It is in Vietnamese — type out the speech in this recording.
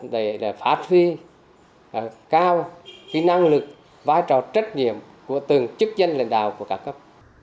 để phát huy cao năng lực vai trò trách nhiệm của từng chức dân lãnh đạo của các cấp